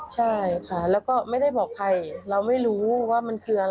ใช่ค่ะแล้วก็ไม่ได้บอกใครเราไม่รู้ว่ามันคืออะไร